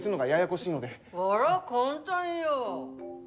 あら、簡単よ。